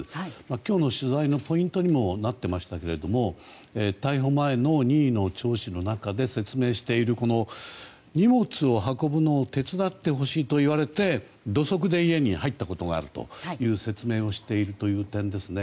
今日の取材のポイントにもなっていましたが逮捕前の任意の聴取の中で説明している荷物を運ぶのを手伝ってほしいと言われて土足で家に入ったことがあるという説明をしている点ですね。